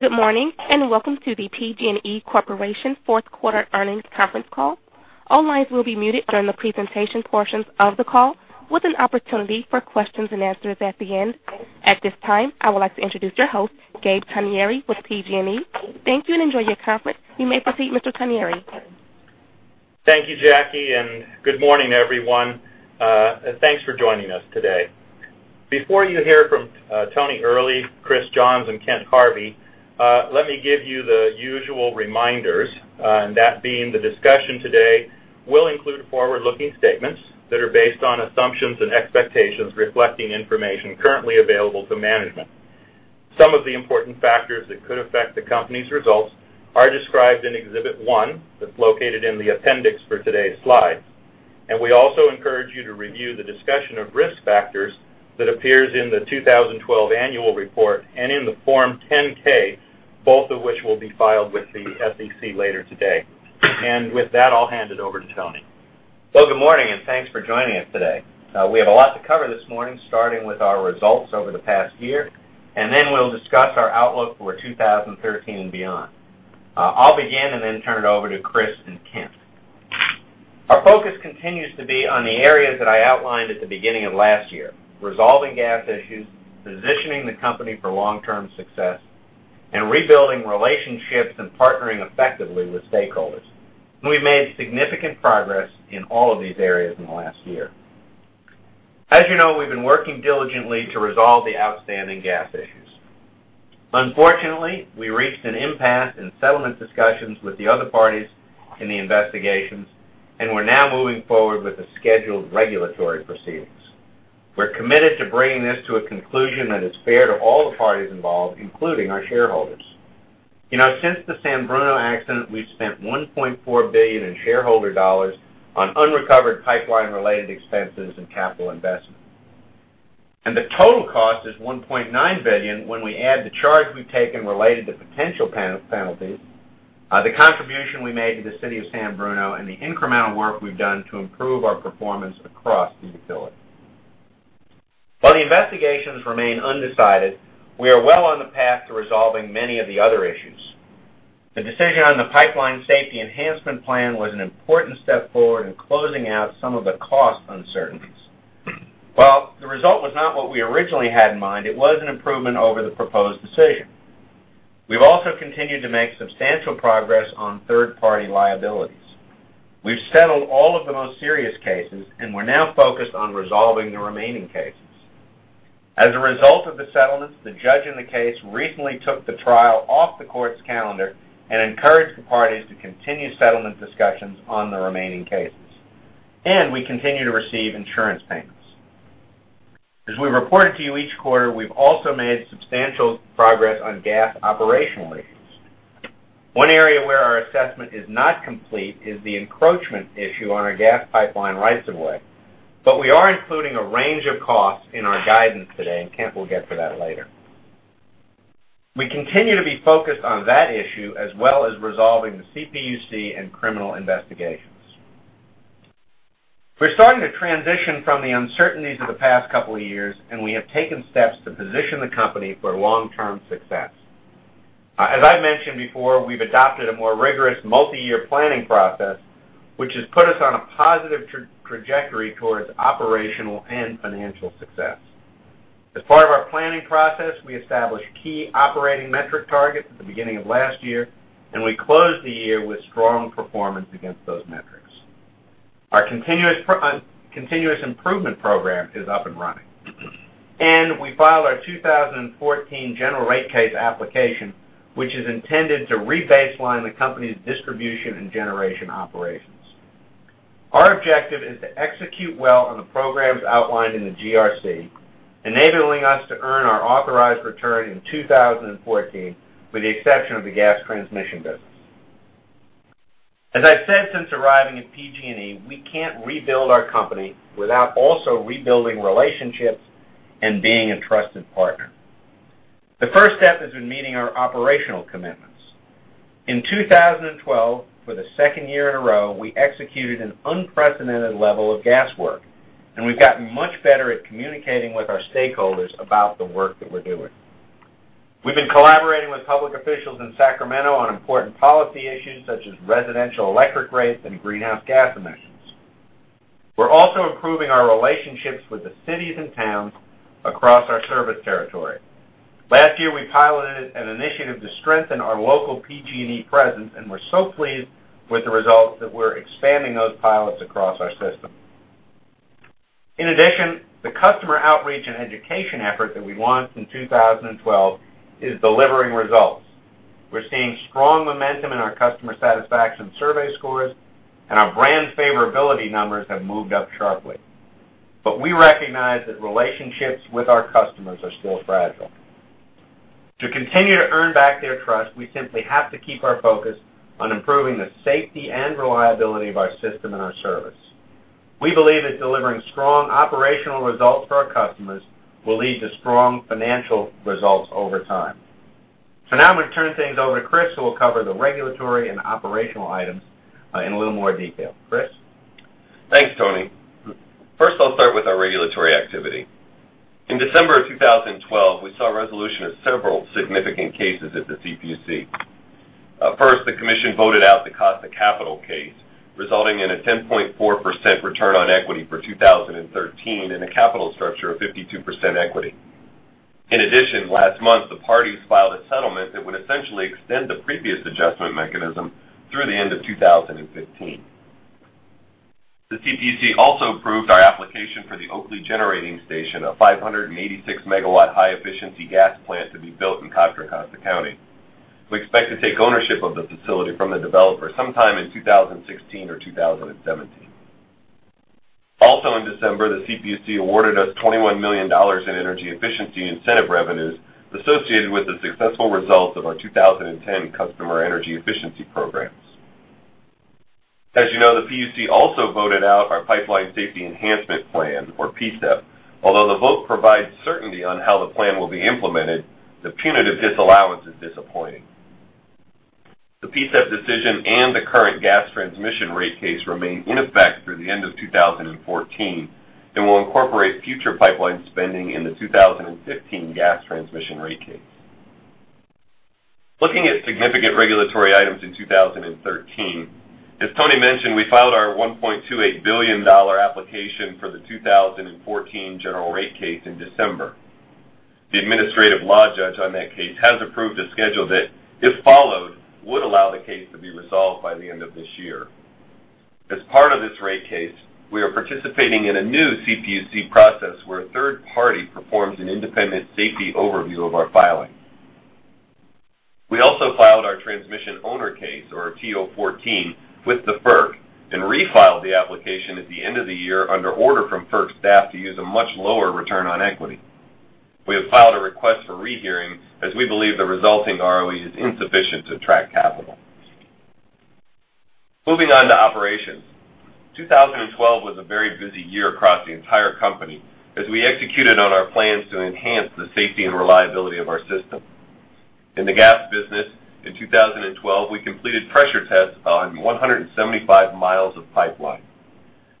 Good morning, welcome to the PG&E Corporation fourth quarter earnings conference call. All lines will be muted during the presentation portions of the call, with an opportunity for questions and answers at the end. At this time, I would like to introduce your host, Gabriel Togneri with PG&E. Thank you and enjoy your conference. You may proceed, Mr. Togneri. Thank you, Jackie, good morning, everyone. Thanks for joining us today. Before you hear from Anthony Earley, Christopher Johns, and Kent Harvey, let me give you the usual reminders. That being the discussion today will include forward-looking statements that are based on assumptions and expectations reflecting information currently available to management. Some of the important factors that could affect the company's results are described in Exhibit one that's located in the appendix for today's slides. We also encourage you to review the discussion of risk factors that appears in the 2012 annual report and in the Form 10-K, both of which will be filed with the SEC later today. With that, I'll hand it over to Tony. Good morning, thanks for joining us today. We have a lot to cover this morning, starting with our results over the past year, then we'll discuss our outlook for 2013 and beyond. I'll begin then turn it over to Chris and Kent. Our focus continues to be on the areas that I outlined at the beginning of last year: resolving gas issues, positioning the company for long-term success, and rebuilding relationships and partnering effectively with stakeholders. We've made significant progress in all of these areas in the last year. As you know, we've been working diligently to resolve the outstanding gas issues. Unfortunately, we reached an impasse in settlement discussions with the other parties in the investigations, we're now moving forward with the scheduled regulatory proceedings. We're committed to bringing this to a conclusion that is fair to all the parties involved, including our shareholders. Since the San Bruno accident, we've spent $1.4 billion in shareholder dollars on unrecovered pipeline-related expenses and capital investment. The total cost is $1.9 billion when we add the charge we've taken related to potential penalties, the contribution we made to the city of San Bruno, and the incremental work we've done to improve our performance across the utility. While the investigations remain undecided, we are well on the path to resolving many of the other issues. The decision on the Pipeline Safety Enhancement Plan was an important step forward in closing out some of the cost uncertainties. While the result was not what we originally had in mind, it was an improvement over the proposed decision. We've also continued to make substantial progress on third-party liabilities. We've settled all of the most serious cases, we're now focused on resolving the remaining cases. As a result of the settlements, the judge in the case recently took the trial off the court's calendar and encouraged the parties to continue settlement discussions on the remaining cases. We continue to receive insurance payments. As we reported to you each quarter, we've also made substantial progress on gas operational issues. One area where our assessment is not complete is the encroachment issue on our gas pipeline rights of way. We are including a range of costs in our guidance today, and Kent will get to that later. We continue to be focused on that issue, as well as resolving the CPUC and criminal investigations. We're starting to transition from the uncertainties of the past couple of years. We have taken steps to position the company for long-term success. As I've mentioned before, we've adopted a more rigorous multi-year planning process, which has put us on a positive trajectory towards operational and financial success. As part of our planning process, we established key operating metric targets at the beginning of last year. We closed the year with strong performance against those metrics. Our continuous improvement program is up and running. We filed our 2014 general rate case application, which is intended to re-baseline the company's distribution and generation operations. Our objective is to execute well on the programs outlined in the GRC, enabling us to earn our authorized return in 2014, with the exception of the gas transmission business. As I've said since arriving at PG&E, we can't rebuild our company without also rebuilding relationships and being a trusted partner. The first step has been meeting our operational commitments. In 2012, for the second year in a row, we executed an unprecedented level of gas work. We've gotten much better at communicating with our stakeholders about the work that we're doing. We've been collaborating with public officials in Sacramento on important policy issues such as residential electric rates and greenhouse gas emissions. We're also improving our relationships with the cities and towns across our service territory. Last year, we piloted an initiative to strengthen our local PG&E presence. We're so pleased with the results that we're expanding those pilots across our system. In addition, the customer outreach and education effort that we launched in 2012 is delivering results. We're seeing strong momentum in our customer satisfaction survey scores. Our brand favorability numbers have moved up sharply. We recognize that relationships with our customers are still fragile. To continue to earn back their trust, we simply have to keep our focus on improving the safety and reliability of our system and our service. We believe that delivering strong operational results for our customers will lead to strong financial results over time. Now I'm going to turn things over to Chris, who will cover the regulatory and operational items in a little more detail. Chris? Thanks, Tony. First, I'll start with our regulatory activity. In December of 2012, we saw resolution of several significant cases at the CPUC. First, the commission voted out the cost of capital case, resulting in a 10.4% return on equity for 2013 and a capital structure of 52% equity. In addition, last month, the parties filed a settlement that would essentially extend the previous adjustment mechanism through the end of 2015. The CPUC also approved our application for the Oakley Generating Station, a 586-megawatt high-efficiency gas plant to be built in Contra Costa County. We expect to take ownership of the facility from the developer sometime in 2016 or 2017. In December, the CPUC awarded us $21 million in energy efficiency incentive revenues associated with the successful results of our 2010 customer energy efficiency programs. As you know, the PUC also voted out our Pipeline Safety Enhancement Plan, or PSEP. The vote provides certainty on how the plan will be implemented, the punitive disallowance is disappointing. The PSEP decision and the current gas transmission rate case remain in effect through the end of 2014 and will incorporate future pipeline spending in the 2015 gas transmission rate case. Looking at significant regulatory items in 2013, as Tony mentioned, we filed our $1.28 billion application for the 2014 general rate case in December. The administrative law judge on that case has approved a schedule that, if followed, would allow the case to be resolved by the end of this year. As part of this rate case, we are participating in a new CPUC process where a third party performs an independent safety overview of our filing. We filed our transmission owner case, or TO14, with the FERC and refiled the application at the end of the year under order from FERC staff to use a much lower return on equity. We have filed a request for rehearing, as we believe the resulting ROE is insufficient to attract capital. Moving on to operations. 2012 was a very busy year across the entire company as we executed on our plans to enhance the safety and reliability of our system. In the gas business in 2012, we completed pressure tests on 175 miles of pipeline.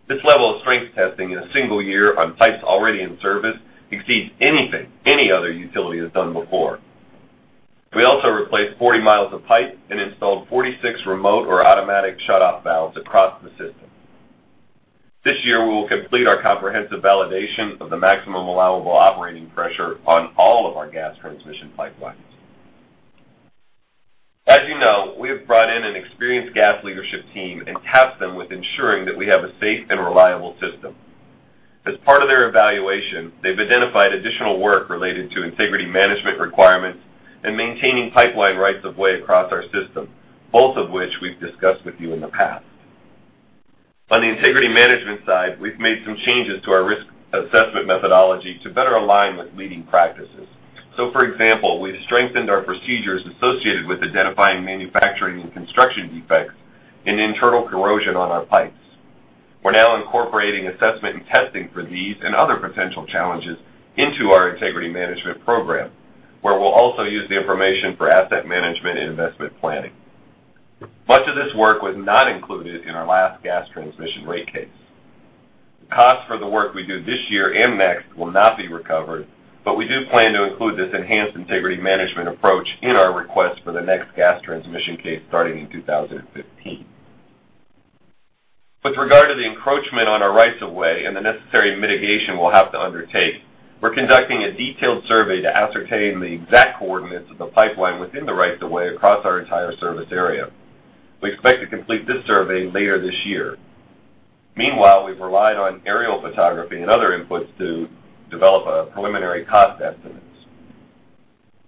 This level of strength testing in a single year on pipes already in service exceeds anything any other utility has done before. We replaced 40 miles of pipe and installed 46 remote or automatic shutoff valves across the system. This year, we will complete our comprehensive validation of the maximum allowable operating pressure on all of our gas transmission pipelines. As you know, we have brought in an experienced gas leadership team and tasked them with ensuring that we have a safe and reliable system. As part of their evaluation, they've identified additional work related to integrity management requirements and maintaining pipeline rights-of-way across our system, both of which we've discussed with you in the past. On the integrity management side, we've made some changes to our risk assessment methodology to better align with leading practices. For example, we've strengthened our procedures associated with identifying manufacturing and construction defects and internal corrosion on our pipes. We're now incorporating assessment and testing for these and other potential challenges into our integrity management program, where we'll also use the information for asset management and investment planning. Much of this work was not included in our last gas transmission rate case. Costs for the work we do this year and next will not be recovered, but we do plan to include this enhanced integrity management approach in our request for the next gas transmission case starting in 2015. With regard to the encroachment on our rights-of-way and the necessary mitigation we'll have to undertake, we're conducting a detailed survey to ascertain the exact coordinates of the pipeline within the right-of-way across our entire service area. We expect to complete this survey later this year. Meanwhile, we've relied on aerial photography and other inputs to develop a preliminary cost estimate.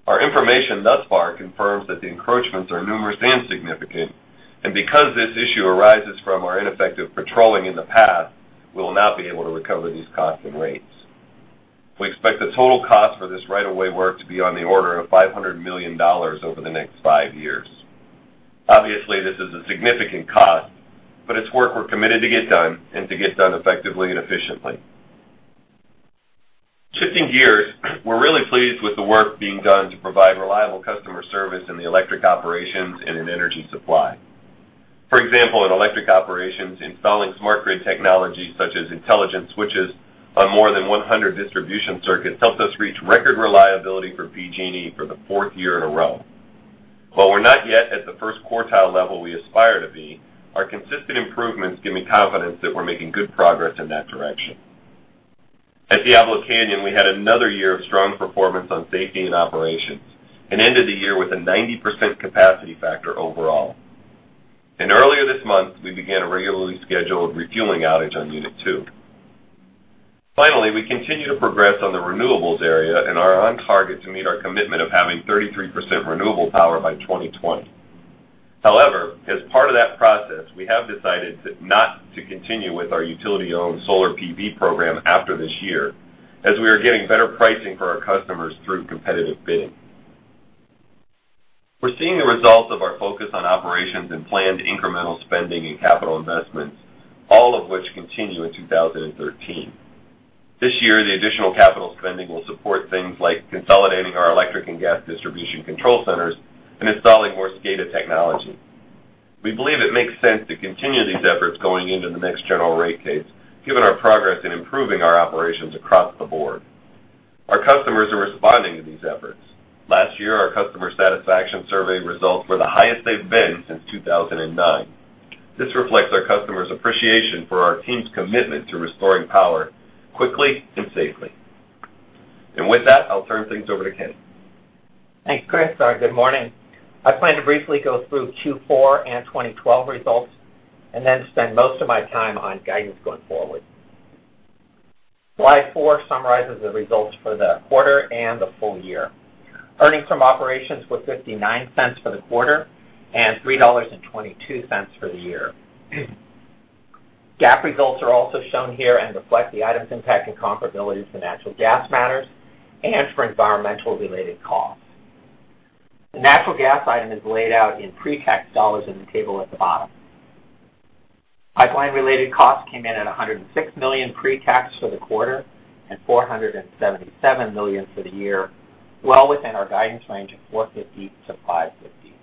Our information thus far confirms that the encroachments are numerous and significant, because this issue arises from our ineffective patrolling in the past, we'll now be able to recover these costs and rates. We expect the total cost for this right-of-way work to be on the order of $500 million over the next five years. Obviously, this is a significant cost, but it's work we're committed to get done and to get done effectively and efficiently. Shifting gears, we're really pleased with the work being done to provide reliable customer service in the electric operations and in energy supply. For example, in electric operations, installing smart grid technology such as intelligence switches on more than 100 distribution circuits helped us reach record reliability for PG&E for the fourth year in a row. While we're not yet at the first quartile level we aspire to be, our consistent improvements give me confidence that we're making good progress in that direction. At Diablo Canyon, we had another year of strong performance on safety and operations and ended the year with a 90% capacity factor overall. Earlier this month, we began a regularly scheduled refueling outage on unit two. Finally, we continue to progress on the renewables area and are on target to meet our commitment of having 33% renewable power by 2020. However, as part of that process, we have decided not to continue with our utility-owned solar PV program after this year, as we are getting better pricing for our customers through competitive bidding. We're seeing the results of our focus on operations and planned incremental spending and capital investments, all of which continue in 2013. This year, the additional capital spending will support things like consolidating our electric and gas distribution control centers and installing more SCADA technology. We believe it makes sense to continue these efforts going into the next general rate case, given our progress in improving our operations across the board. Our customers are responding to these efforts. Last year, our customer satisfaction survey results were the highest they've been since 2009. This reflects our customers' appreciation for our team's commitment to restoring power quickly and safely. With that, I'll turn things over to Ken. Thanks, Chris. Good morning. I plan to briefly go through Q4 and 2012 results and then spend most of my time on guidance going forward. Slide four summarizes the results for the quarter and the full year. Earnings from operations were $0.59 for the quarter and $3.22 for the year. GAAP results are also shown here and reflect the items impacting comparabilities to natural gas matters and for environmental-related costs. The natural gas item is laid out in pre-tax dollars in the table at the bottom. Pipeline-related costs came in at $106 million pre-tax for the quarter and $477 million for the year, well within our guidance range of $450 million-$550 million.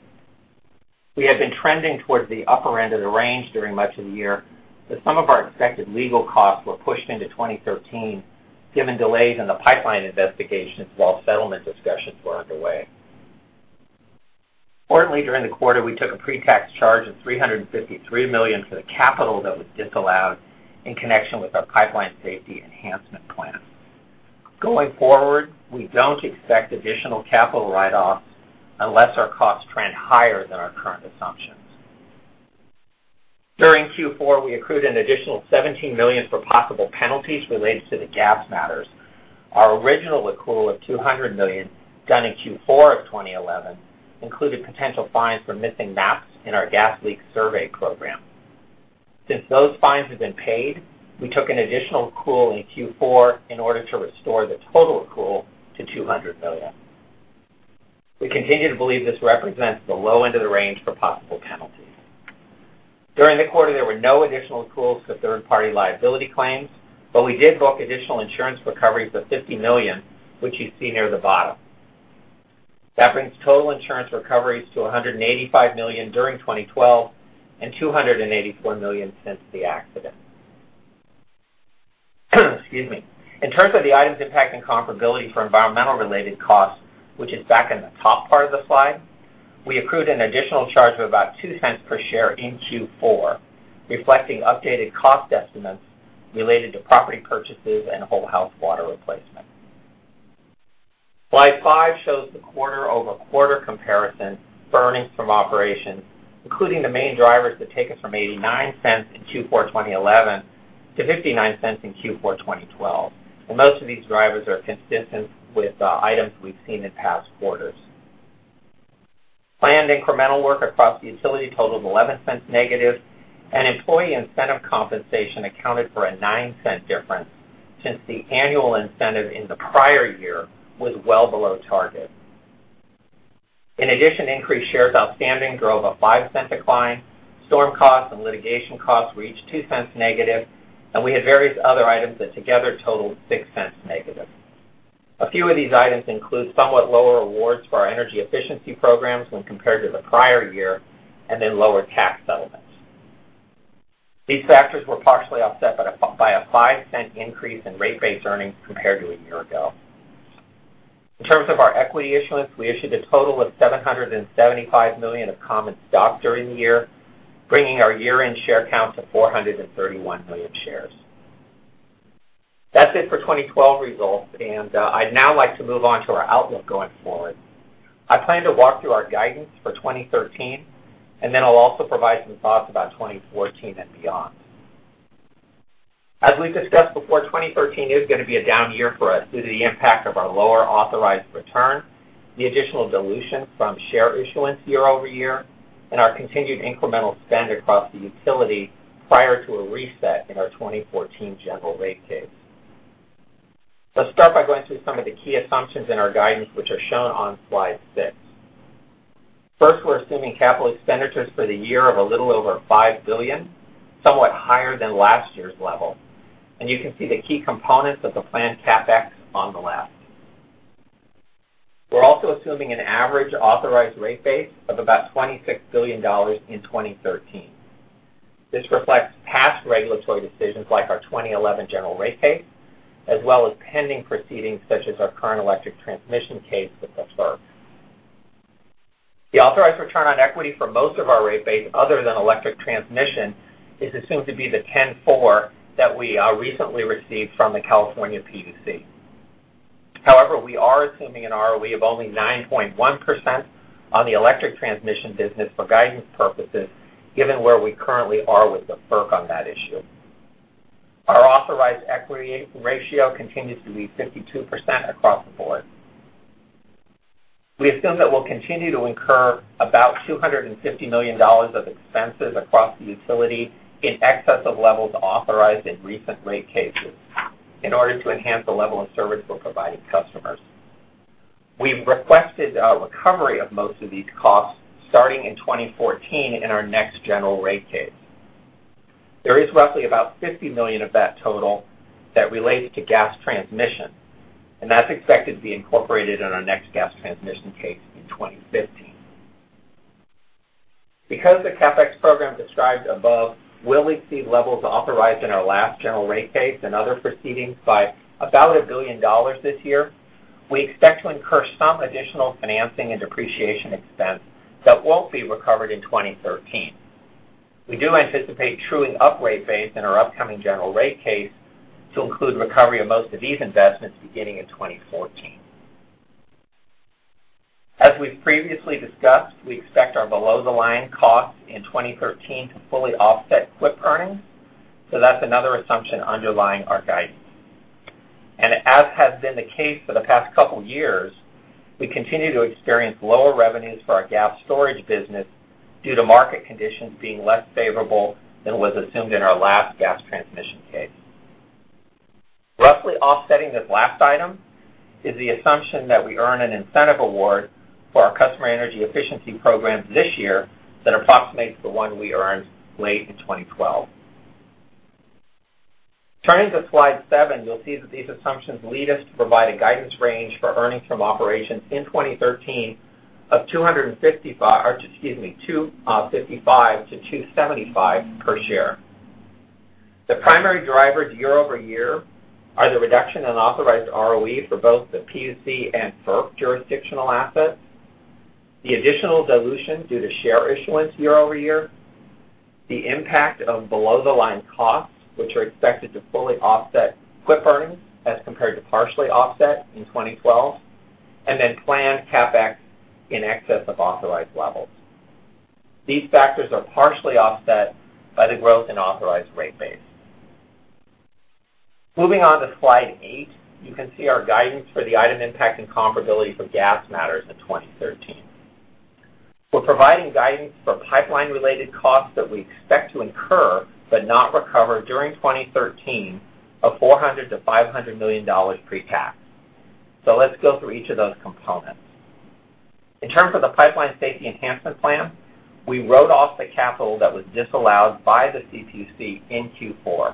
We have been trending towards the upper end of the range during much of the year, but some of our expected legal costs were pushed into 2013 given delays in the pipeline investigations while settlement discussions were underway. Importantly, during the quarter, we took a pre-tax charge of $353 million for the capital that was disallowed in connection with our Pipeline Safety Enhancement Plan. Going forward, we don't expect additional capital write-offs unless our costs trend higher than our current assumptions. During Q4, we accrued an additional $17 million for possible penalties related to the gas matters. Our original accrual of $200 million done in Q4 of 2011 included potential fines for missing maps in our gas leak survey program. Since those fines have been paid, we took an additional accrual in Q4 in order to restore the total accrual to $200 million. We continue to believe this represents the low end of the range for possible penalties. During the quarter, there were no additional accruals for third-party liability claims, but we did book additional insurance recoveries of $50 million, which you see near the bottom. That brings total insurance recoveries to $185 million during 2012 and $284 million since the accident. Excuse me. In terms of the items impacting comparability for environmental-related costs, which is back in the top part of the slide, we accrued an additional charge of about $0.02 per share in Q4, reflecting updated cost estimates related to property purchases and whole house water replacements. Slide five shows the quarter-over-quarter comparison for earnings from operations, including the main drivers that take us from $0.89 in Q4 2011 to $0.59 in Q4 2012. Most of these drivers are consistent with the items we've seen in past quarters. Planned incremental work across the utility totaled $0.11 negative. Employee incentive compensation accounted for a $0.09 difference since the annual incentive in the prior year was well below target. In addition, increased shares outstanding drove a $0.05 decline. Storm costs and litigation costs reached $0.02 negative. We had various other items that together totaled $0.06 negative. A few of these items include somewhat lower awards for our energy efficiency programs when compared to the prior year, lower tax settlements. These factors were partially offset by a $0.05 increase in rate base earnings compared to a year ago. In terms of our equity issuance, we issued a total of $775 million of common stock during the year, bringing our year-end share count to 431 million shares. That's it for 2012 results. I'd now like to move on to our outlook going forward. I plan to walk through our guidance for 2013. I'll also provide some thoughts about 2014 and beyond. As we've discussed before, 2013 is going to be a down year for us due to the impact of our lower authorized return, the additional dilution from share issuance year-over-year, and our continued incremental spend across the utility prior to a reset in our 2014 general rate case. Let's start by going through some of the key assumptions in our guidance, which are shown on slide six. First, we're assuming capital expenditures for the year of a little over $5 billion, somewhat higher than last year's level. You can see the key components of the planned CapEx on the left. We're also assuming an average authorized rate base of about $26 billion in 2013. This reflects past regulatory decisions like our 2011 general rate case, as well as pending proceedings such as our current electric transmission case with the FERC. The authorized return on equity for most of our rate base other than electric transmission is assumed to be the 10.4% that we recently received from the California PUC. However, we are assuming an ROE of only 9.1% on the electric transmission business for guidance purposes, given where we currently are with the FERC on that issue. Our authorized equity ratio continues to be 52% across the board. We assume that we'll continue to incur about $250 million of expenses across the utility in excess of levels authorized in recent rate cases in order to enhance the level of service we're providing customers. We've requested a recovery of most of these costs starting in 2014 in our next general rate case. There is roughly about $50 million of that total that relates to gas transmission. That's expected to be incorporated in our next gas transmission case in 2015. Because the CapEx program described above will exceed levels authorized in our last general rate case and other proceedings by about $1 billion this year, we expect to incur some additional financing and depreciation expense that won't be recovered in 2013. We do anticipate truing up rate base in our upcoming general rate case to include recovery of most of these investments beginning in 2014. As we've previously discussed, we expect our below-the-line costs in 2013 to fully offset CWIP earnings. That's another assumption underlying our guidance. As has been the case for the past couple years, we continue to experience lower revenues for our gas storage business due to market conditions being less favorable than was assumed in our last gas transmission case. Roughly offsetting this last item is the assumption that we earn an incentive award for our customer energy efficiency programs this year that approximates the one we earned late in 2012. Turning to slide seven, you'll see that these assumptions lead us to provide a guidance range for earnings from operations in 2013 of $2.55-$2.75 per share. The primary drivers year-over-year are the reduction in authorized ROE for both the PUC and FERC jurisdictional assets, the additional dilution due to share issuance year-over-year, the impact of below-the-line costs, which are expected to fully offset CWIP earnings as compared to partially offset in 2012, then planned CapEx in excess of authorized levels. These factors are partially offset by the growth in authorized rate base. Moving on to slide eight, you can see our guidance for the item impacting comparability for gas matters in 2013. We're providing guidance for pipeline-related costs that we expect to incur, but not recover during 2013 of $400 million-$500 million pre-tax. Let's go through each of those components. In terms of the Pipeline Safety Enhancement Plan, we wrote off the capital that was disallowed by the CPUC in Q4.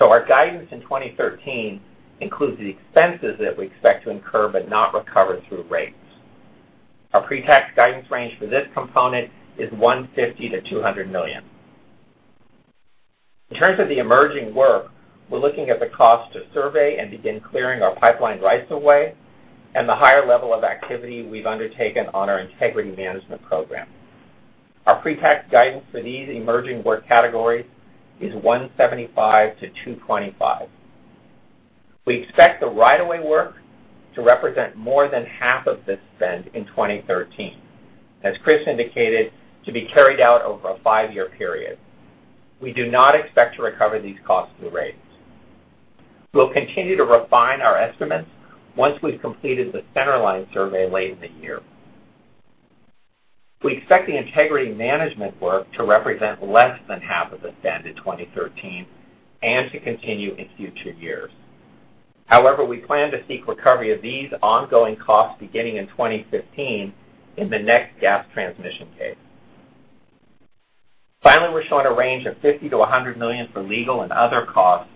Our guidance in 2013 includes the expenses that we expect to incur but not recover through rates. Our pre-tax guidance range for this component is $150 million-$200 million. In terms of the emerging work, we're looking at the cost to survey and begin clearing our pipeline rights of way and the higher level of activity we've undertaken on our integrity management program. Our pre-tax guidance for these emerging work categories is $175 million-$225 million. We expect the right of way work to represent more than half of this spend in 2013, as Chris indicated, to be carried out over a five-year period. We do not expect to recover these costs through rates. We'll continue to refine our estimates once we've completed the centerline survey late in the year. We expect the integrity management work to represent less than half of the spend in 2013 and to continue in future years. However, we plan to seek recovery of these ongoing costs beginning in 2015 in the next gas transmission case. Finally, we're showing a range of $50 million-$100 million for legal and other costs,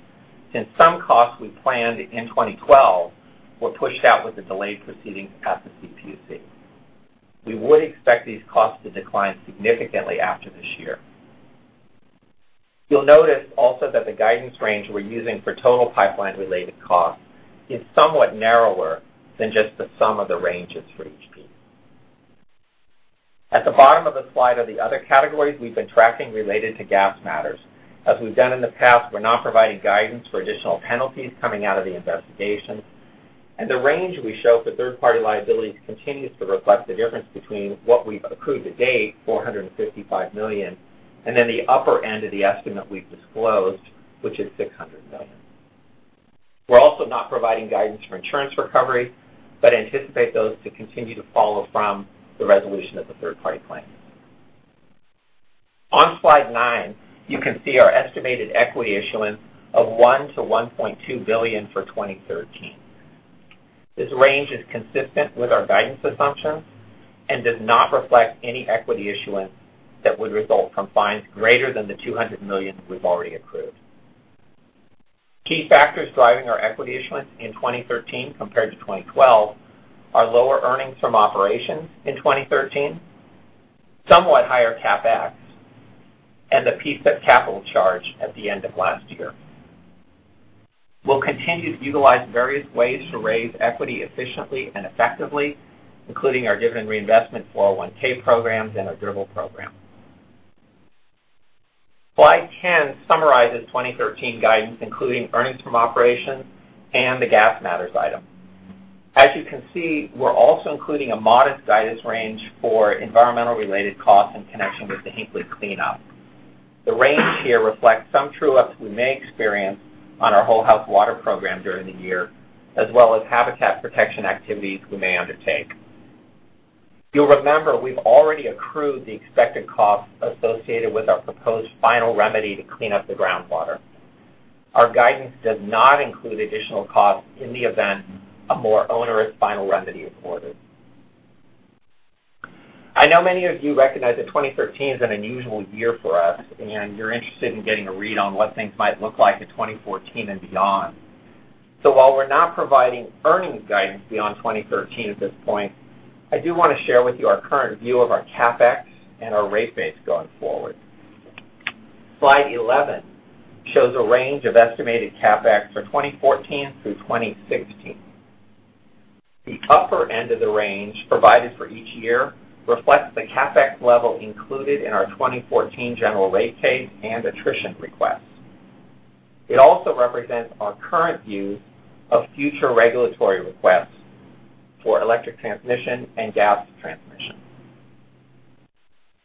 since some costs we planned in 2012 were pushed out with the delayed proceedings at the CPUC. We would expect these costs to decline significantly after this year. You'll notice also that the guidance range we're using for total pipeline-related costs is somewhat narrower than just the sum of the ranges for each piece. At the bottom of the slide are the other categories we've been tracking related to gas matters. As we've done in the past, we're not providing guidance for additional penalties coming out of the investigation. The range we show for third-party liabilities continues to reflect the difference between what we've accrued to date, $455 million, and the upper end of the estimate we've disclosed, which is $600 million. We're also not providing guidance for insurance recovery, but anticipate those to continue to follow from the resolution of the third-party claims. On slide nine, you can see our estimated equity issuance of $1 billion-$1.2 billion for 2013. This range is consistent with our guidance assumptions and does not reflect any equity issuance that would result from fines greater than the $200 million we've already accrued. Key factors driving our equity issuance in 2013 compared to 2012 are lower earnings from operations in 2013, somewhat higher CapEx, and the PSEP capital charge at the end of last year. We'll continue to utilize various ways to raise equity efficiently and effectively, including our dividend reinvestment programs and our DRIP program. Slide 10 summarizes 2013 guidance, including earnings from operations and the gas matters item. As you can see, we're also including a modest guidance range for environmental-related costs in connection with the Hinkley cleanup. The range here reflects some true-ups we may experience on our whole house water program during the year, as well as habitat protection activities we may undertake. You'll remember we've already accrued the expected costs associated with our proposed final remedy to clean up the groundwater. Our guidance does not include additional costs in the event a more onerous final remedy is ordered. I know many of you recognize that 2013 is an unusual year for us, and you're interested in getting a read on what things might look like in 2014 and beyond. While we're not providing earnings guidance beyond 2013 at this point, I do want to share with you our current view of our CapEx and our rate base going forward. Slide 11 shows a range of estimated CapEx for 2014 through 2016. The upper end of the range provided for each year reflects the CapEx level included in our 2014 General Rate Case and attrition request. It also represents our current view of future regulatory requests for electric transmission and gas transmission.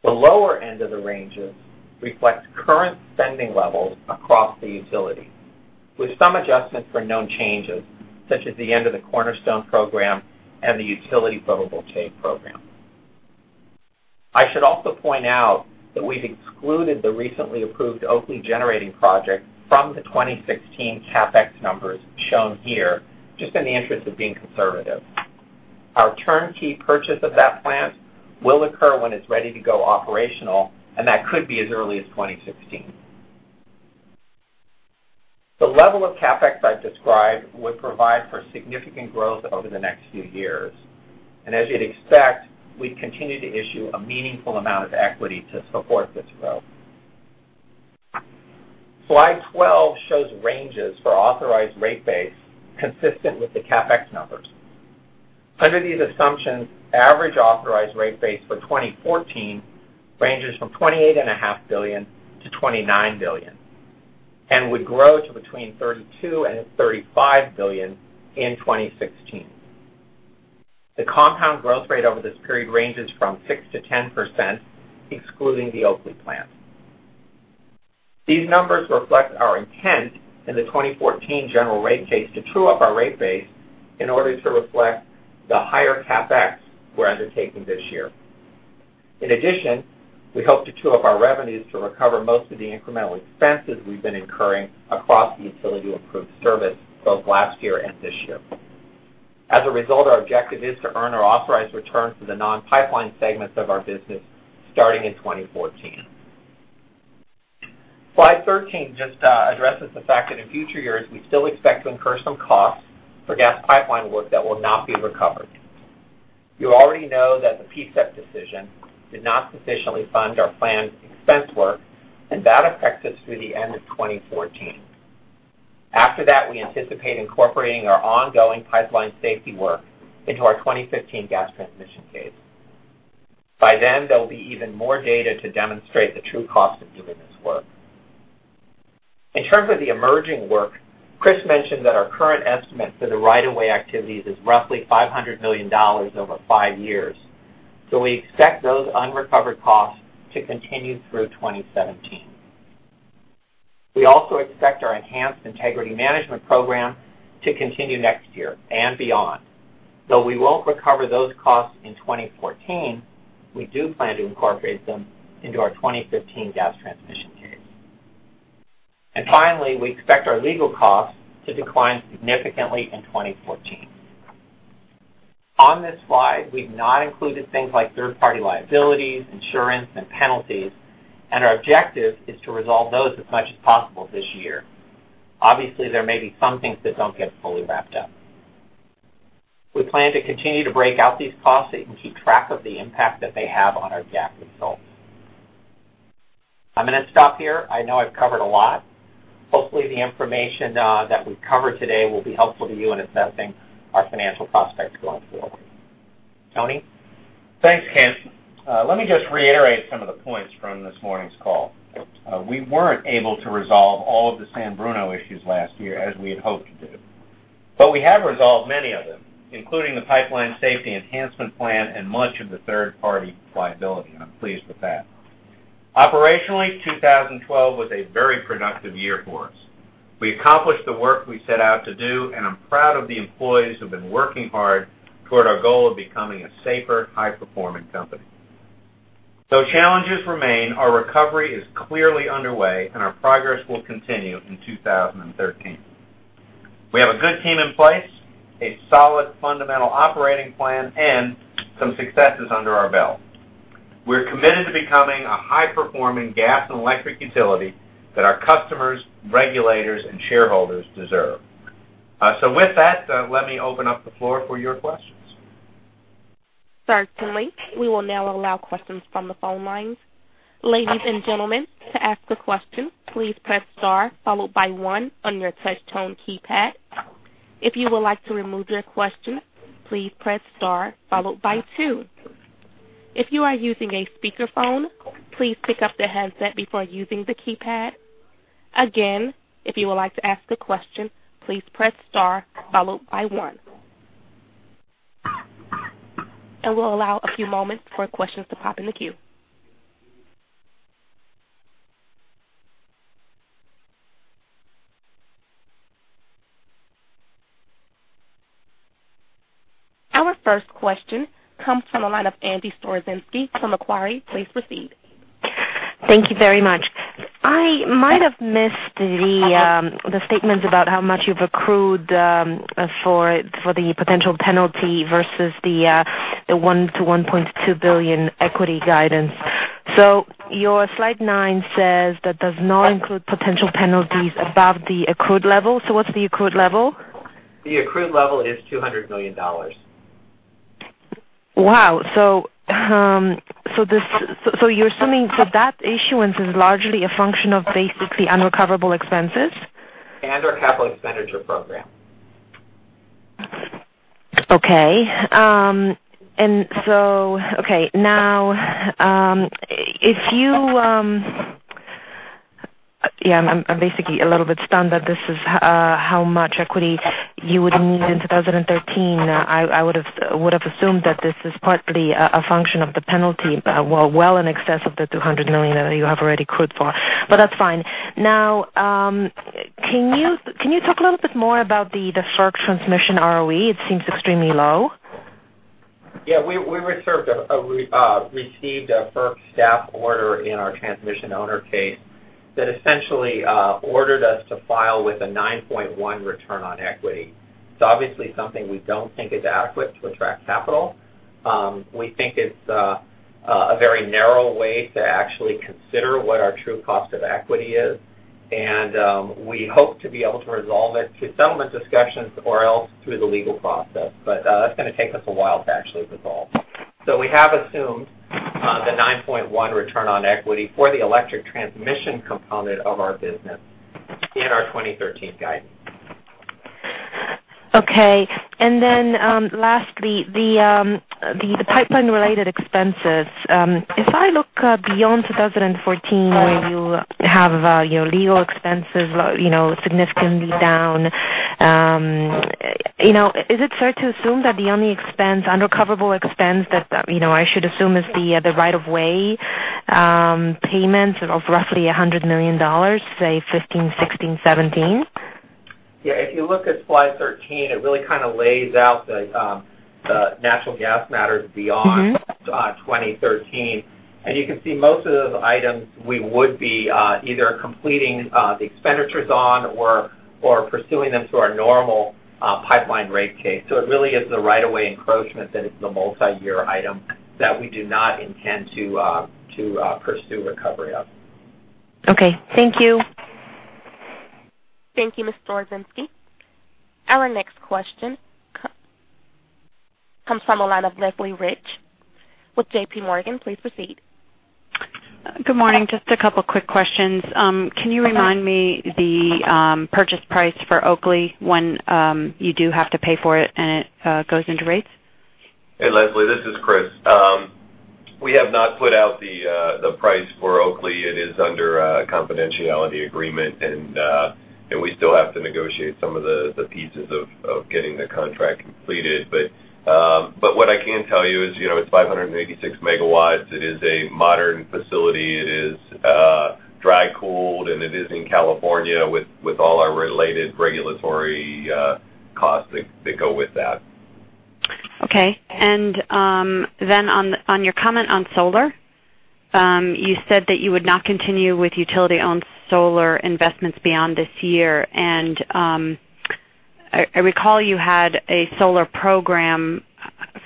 The lower end of the ranges reflect current spending levels across the utility, with some adjustments for known changes, such as the end of the Cornerstone program and the utility program. I should also point out that we've excluded the recently approved Oakley Generating Project from the 2016 CapEx numbers shown here, just in the interest of being conservative. Our turnkey purchase of that plant will occur when it's ready to go operational, and that could be as early as 2016. The level of CapEx I've described would provide for significant growth over the next few years. As you'd expect, we continue to issue a meaningful amount of equity to support this growth. Slide 12 shows ranges for authorized rate base consistent with the CapEx numbers. Under these assumptions, average authorized rate base for 2014 ranges from $28.5 billion-$29 billion and would grow to between $32 billion and $35 billion in 2016. The compound growth rate over this period ranges from 6%-10%, excluding the Oakley plant. These numbers reflect our intent in the 2014 General Rate Case to true up our rate base in order to reflect the higher CapEx we're undertaking this year. We hope to true up our revenues to recover most of the incremental expenses we've been incurring across the utility to improve service both last year and this year. Our objective is to earn our authorized returns for the non-pipeline segments of our business starting in 2014. Slide 13 just addresses the fact that in future years, we still expect to incur some costs for gas pipeline work that will not be recovered. You already know that the PSEP decision did not sufficiently fund our planned expense work, and that affects us through the end of 2014. We anticipate incorporating our ongoing pipeline safety work into our 2015 gas transmission case. There'll be even more data to demonstrate the true cost of doing this work. In terms of the emerging work, Chris mentioned that our current estimate for the right-of-way activities is roughly $500 million over five years. We expect those unrecovered costs to continue through 2017. We also expect our enhanced integrity management program to continue next year and beyond. Though we won't recover those costs in 2014, we do plan to incorporate them into our 2015 gas transmission case. Finally, we expect our legal costs to decline significantly in 2014. On this slide, we've not included things like third-party liabilities, insurance, and penalties, our objective is to resolve those as much as possible this year. Obviously, there may be some things that don't get fully wrapped up. We plan to continue to break out these costs so you can keep track of the impact that they have on our GAAP results. I'm going to stop here. I know I've covered a lot. Hopefully, the information that we've covered today will be helpful to you in assessing our financial prospects going forward. Tony? Thanks, Kent. Let me just reiterate some of the points from this morning's call. We weren't able to resolve all of the San Bruno issues last year as we had hoped to do. We have resolved many of them, including the pipeline safety enhancement plan and much of the third-party liability, I'm pleased with that. Operationally, 2012 was a very productive year for us. We accomplished the work we set out to do, and I'm proud of the employees who've been working hard toward our goal of becoming a safer, high-performing company. Though challenges remain, our recovery is clearly underway, and our progress will continue in 2013. We have a good team in place, a solid fundamental operating plan, and some successes under our belt. We're committed to becoming a high-performing gas and electric utility that our customers, regulators, and shareholders deserve. With that, let me open up the floor for your questions. Certainly. We will now allow questions from the phone lines. Ladies and gentlemen, to ask a question, please press star followed by one on your touch tone keypad. If you would like to remove your question, please press star followed by two. If you are using a speakerphone, please pick up the headset before using the keypad. Again, if you would like to ask a question, please press star followed by one. We'll allow a few moments for questions to pop in the queue. Our first question comes from the line of Andy Strozinski from Macquarie. Please proceed. Thank you very much. I might have missed the statement about how much you've accrued for the potential penalty versus the $1 to $1.2 billion equity guidance. Your slide nine says that does not include potential penalties above the accrued level. What's the accrued level? The accrued level is $200 million. Wow. You're assuming that that issuance is largely a function of basically unrecoverable expenses? Our capital expenditure program. Okay. I'm basically a little bit stunned that this is how much equity you would need in 2013. I would've assumed that this is partly a function of the penalty, well in excess of the $200 million that you have already accrued for, that's fine. Can you talk a little bit more about the FERC transmission ROE? It seems extremely low. Yeah, we received a FERC staff order in our transmission owner case that essentially ordered us to file with a 9.1 return on equity. It's obviously something we don't think is adequate to attract capital. We think it's a very narrow way to actually consider what our true cost of equity is, we hope to be able to resolve it through settlement discussions or else through the legal process. That's going to take us a while to actually resolve. We have assumed the 9.1 return on equity for the electric transmission component of our business in our 2013 guidance. Okay. Then, lastly, the pipeline-related expenses. If I look beyond 2014, where you have your legal expenses significantly down. Is it fair to assume that the only unrecoverable expense that I should assume is the right-of-way payments of roughly $100 million, say, 2015, 2016, 2017? Yeah. If you look at slide 13, it really kind of lays out the natural gas matters beyond- 2013. You can see most of those items we would be either completing the expenditures on or pursuing them through our normal pipeline rate case. It really is the right-of-way encroachment that is the multi-year item that we do not intend to pursue recovery of. Okay. Thank you. Thank you, Ms. Strozinski. Our next question comes from the line of Leslie Rich with JPMorgan. Please proceed. Good morning. Just a couple of quick questions. Okay. Can you remind me the purchase price for Oakley when you do have to pay for it and it goes into rates? Hey, Lasan, this is Chris. We have not put out the price for Oakley. It is under a confidentiality agreement, and we still have to negotiate some of the pieces of getting the contract completed. What I can tell you it's 586 megawatts. It is a modern facility. It is dry-cooled, and it is in California with all our related regulatory costs that go with that. Then on your comment on solar, you said that you would not continue with utility-owned solar investments beyond this year. I recall you had a solar program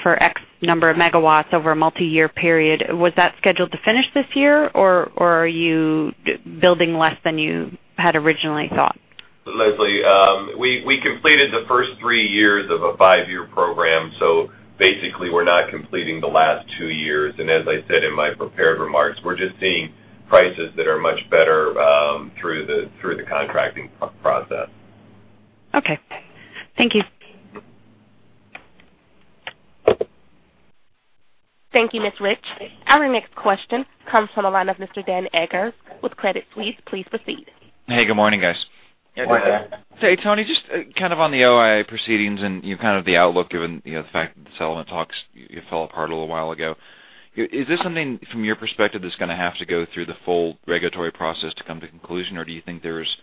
for X number of megawatts over a multi-year period. Was that scheduled to finish this year, or are you building less than you had originally thought? Lasan, we completed the first three years of a five-year program, so basically we're not completing the last two years. As I said in my prepared remarks, we're just seeing prices that are much better through the contracting process. Okay. Thank you. Thank you, Ms. Johong. Our next question comes from the line of Mr. Dan Eggers with Credit Suisse. Please proceed. Hey, good morning, guys. Good morning. Morning. Hey, Tony, just kind of on the OII proceedings and kind of the outlook, given the fact that the settlement talks fell apart a little while ago. Is this something from your perspective, that's going to have to go through the full regulatory process to come to conclusion? Or do you think there's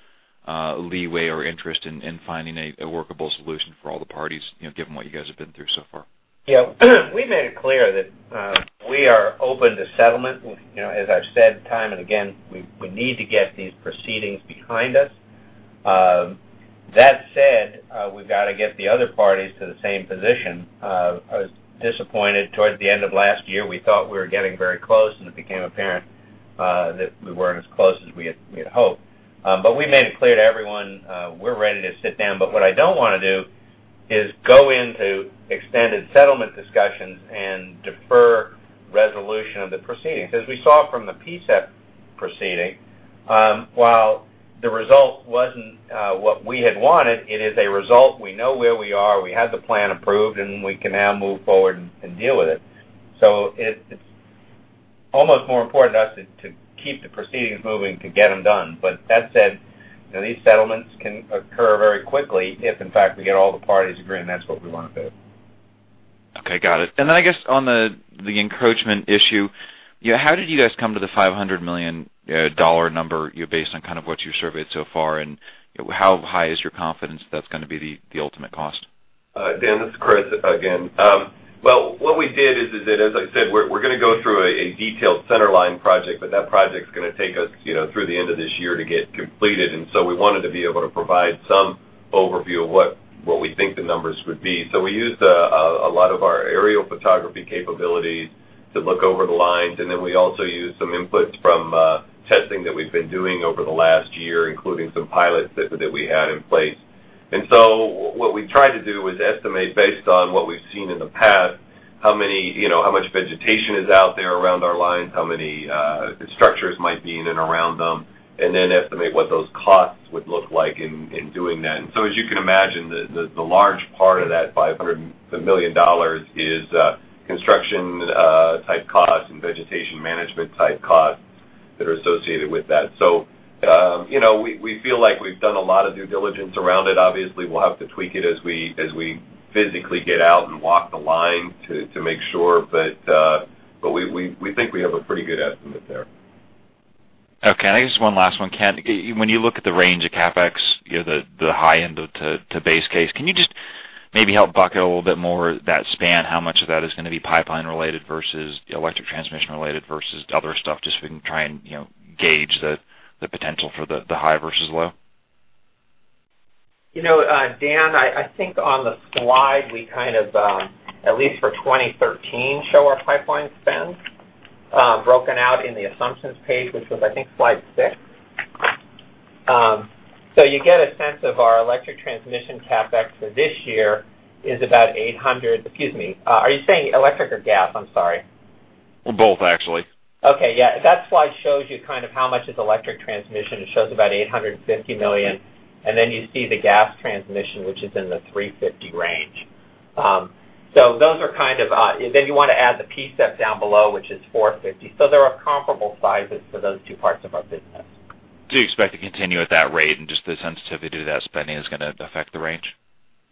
leeway or interest in finding a workable solution for all the parties, given what you guys have been through so far? Yeah. We made it clear that we are open to settlement. As I've said time and again, we need to get these proceedings behind us. That said, we've got to get the other parties to the same position. I was disappointed towards the end of last year. We thought we were getting very close, and it became apparent that we weren't as close as we had hoped. We made it clear to everyone we're ready to sit down. What I don't want to do is go into extended settlement discussions and defer resolution of the proceedings. As we saw from the PSEP proceeding, while the result wasn't what we had wanted, it is a result. We know where we are. We have the plan approved, and we can now move forward and deal with it. It's almost more important to us to keep the proceedings moving, to get them done. That said, these settlements can occur very quickly if, in fact, we get all the parties agreeing that's what we want to do. Okay, got it. I guess on the encroachment issue, how did you guys come to the $500 million number based on kind of what you surveyed so far, and how high is your confidence that that's going to be the ultimate cost? Dan, this is Chris again. Well, what we did is, as I said, we're going to go through a detailed centerline project, but that project's going to take us through the end of this year to get completed. We wanted to be able to provide some overview of what we think the numbers would be. We used a lot of our aerial photography capabilities to look over the lines, and then we also used some inputs from testing that we've been doing over the last year, including some pilots that we had in place. What we tried to do is estimate, based on what we've seen in the past, how much vegetation is out there around our lines, how many structures might be in and around them, and then estimate what those costs would look like in doing that. As you can imagine, the large part of that $500 million is construction-type costs and vegetation management-type costs that are associated with that. We feel like we've done a lot of due diligence around it. Obviously, we'll have to tweak it as we physically get out and walk the line to make sure, but we think we have a pretty good estimate there. Okay. I guess one last one. Kent, when you look at the range of CapEx, the high end to base case, can you just maybe help bucket a little bit more that span? How much of that is going to be pipeline-related versus electric transmission-related versus other stuff, just so we can try and gauge the potential for the high versus low? Dan, I think on the slide we kind of, at least for 2013, show our pipeline spend broken out in the assumptions page, which was, I think, slide six. You get a sense of our electric transmission CapEx for this year is about $800. Excuse me, are you saying electric or gas? I'm sorry. Both, actually. Okay. Yeah. That slide shows you kind of how much is electric transmission. It shows about $850 million, you see the gas transmission, which is in the $350 range. You want to add the piece that's down below, which is $450. They're of comparable sizes for those two parts of our business. Do you expect to continue at that rate, and just the sensitivity to that spending is going to affect the range?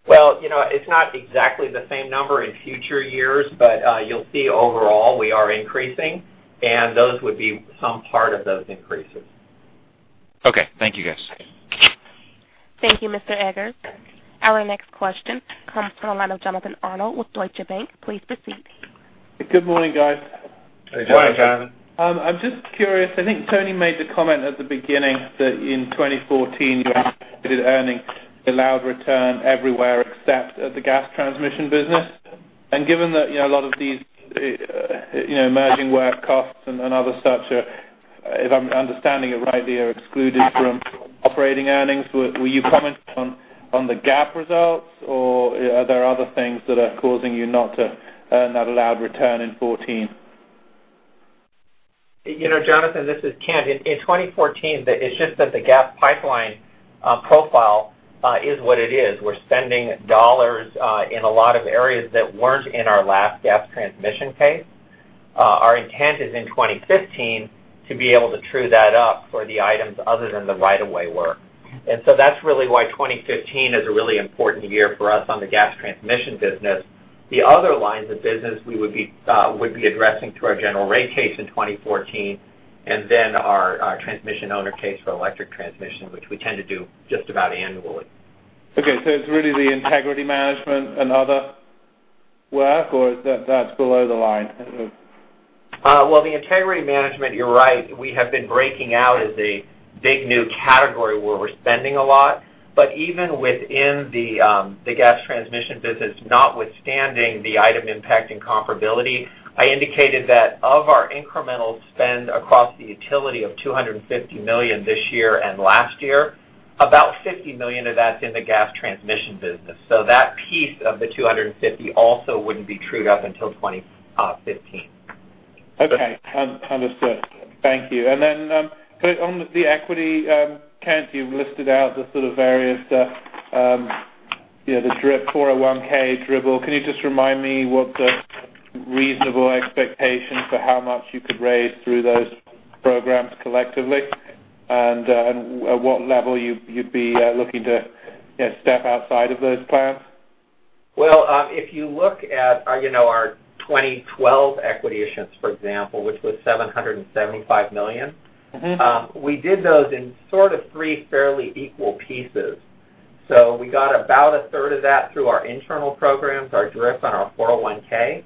Well, it's not exactly the same number in future years, but you'll see overall, we are increasing, and those would be some part of those increases. Okay. Thank you, guys. Thank you, Mr. Eggers. Our next question comes from the line of Jonathan Arnold with Deutsche Bank. Please proceed. Good morning, guys. Good morning, Jonathan. I'm just curious, I think Tony made the comment at the beginning that in 2014, you anticipated earnings allowed return everywhere except at the gas transmission business. Given that a lot of these emerging work costs and other such, if I'm understanding it right, they are excluded from operating earnings. Will you comment on the GAAP results, or are there other things that are causing you not to earn that allowed return in 2014? Jonathan, this is Kent. In 2014, it's just that the gas pipeline profile is what it is. We're spending dollars in a lot of areas that weren't in our last gas transmission case. Our intent is in 2015 to be able to true that up for the items other than the right-of-way work. That's really why 2015 is a really important year for us on the gas transmission business. The other lines of business we would be addressing to our general rate case in 2014, and then our transmission owner case for electric transmission, which we tend to do just about annually. Okay. It's really the integrity management and other work, or that's below the line? Well, the integrity management, you're right. We have been breaking out as a big new category where we're spending a lot. Even within the gas transmission business, notwithstanding the item impact and comparability, I indicated that of our incremental spend across the utility of $250 million this year and last year, about $50 million of that's in the gas transmission business. That piece of the $250 also wouldn't be trued up until 2015. Okay. Understood. Thank you. Then on the equity, Kent, you listed out the sort of various DRIP, 401k, DRIP. Can you just remind me what the reasonable expectation for how much you could raise through those programs collectively and at what level you'd be looking to step outside of those plans? Well, if you look at our 2012 equity issuance, for example, which was $775 million. We did those in sort of three fairly equal pieces. We got about a third of that through our internal programs, our DRIPs and our 401k.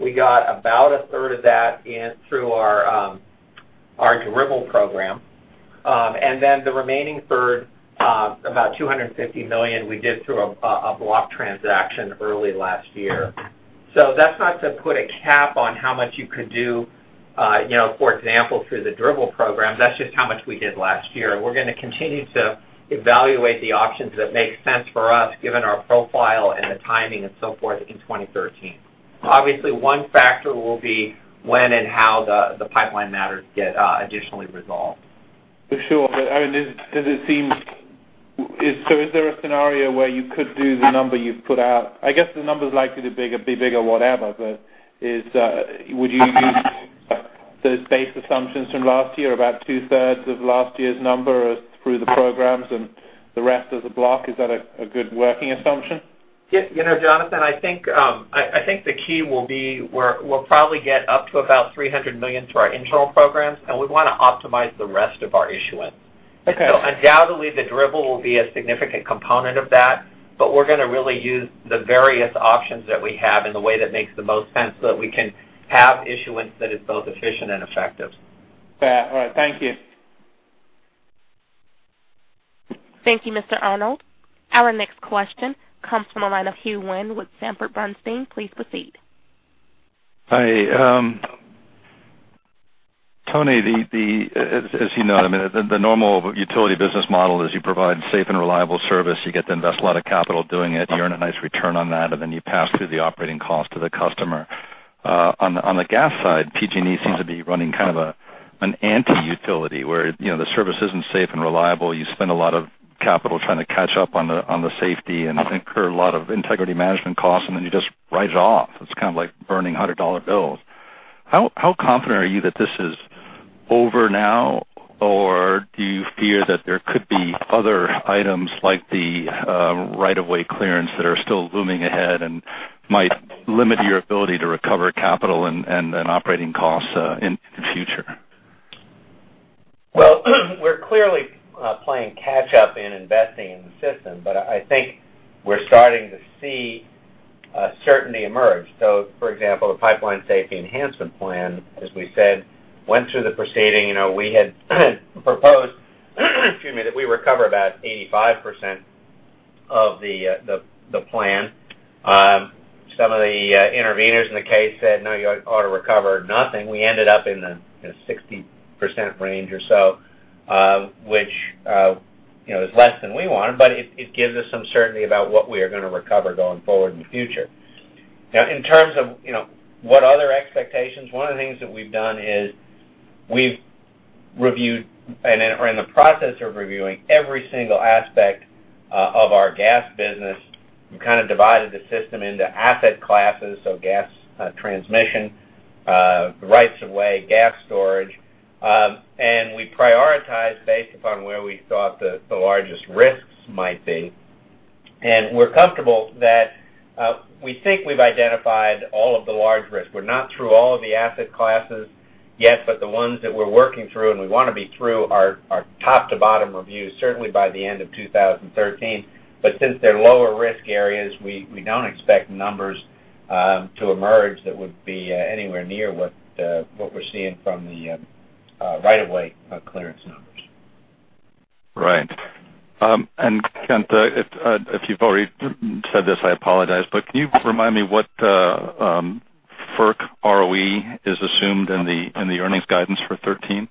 We got about a third of that in through our DRIP program. The remaining third, about $250 million, we did through a block transaction early last year. That's not to put a cap on how much you could do, for example, through the DRIP program. That's just how much we did last year. We're going to continue to evaluate the options that make sense for us, given our profile and the timing and so forth in 2013. Obviously, one factor will be when and how the pipeline matters get additionally resolved. For sure. Is there a scenario where you could do the number you've put out? I guess the number's likely to be bigger, whatever, but would you use those base assumptions from last year, about two-thirds of last year's number through the programs and the rest as a block? Is that a good working assumption? Jonathan, I think the key will be we'll probably get up to about $300 million through our internal programs, we want to optimize the rest of our issuance. Okay. Undoubtedly, the DRIP will be a significant component of that, we're going to really use the various options that we have in the way that makes the most sense so that we can have issuance that is both efficient and effective. Fair. All right. Thank you. Thank you, Mr. Arnold. Our next question comes from the line of Hugh Wynne with Sanford Bernstein. Please proceed. Hi. Tony, as you know, the normal utility business model is you provide safe and reliable service, you get to invest a lot of capital doing it, you earn a nice return on that, and then you pass through the operating cost to the customer. On the gas side, PG&E seems to be running kind of an anti-utility, where the service isn't safe and reliable. You spend a lot of capital trying to catch up on the safety and incur a lot of integrity management costs, and then you just write it off. It's kind of like burning 100-dollar bills. How confident are you that this is over now? Or do you fear that there could be other items like the right-of-way clearance that are still looming ahead and might limit your ability to recover capital and operating costs in the future? We're clearly playing catch up in investing in the system, but I think we're starting to see certainty emerge. For example, the Pipeline Safety Enhancement Plan, as we said, went through the proceeding. We had proposed, excuse me, that we recover about 85% of the plan. Some of the interveners in the case said, "No, you ought to recover nothing." We ended up in the 60% range or so, which is less than we wanted, but it gives us some certainty about what we are going to recover going forward in the future. In terms of what other expectations, one of the things that we've done is we've reviewed, and are in the process of reviewing every single aspect of our gas business. We kind of divided the system into asset classes, gas transmission, rights-of-way gas storage. We prioritize based upon where we thought the largest risks might be. We're comfortable that we think we've identified all of the large risks. We're not through all of the asset classes yet, the ones that we're working through and we want to be through our top-to-bottom review, certainly by the end of 2013. Since they're lower risk areas, we don't expect numbers to emerge that would be anywhere near what we're seeing from the right-of-way clearance numbers. Right. Kent, if you've already said this, I apologize, can you remind me what FERC ROE is assumed in the earnings guidance for 2013?